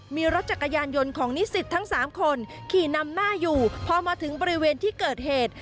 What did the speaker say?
มีรถจักรยานยนต์ของนิสิตทั้งสามคนขี่นำหน้าอยู่พอมาถึงบริเวณที่เกิดเหตุ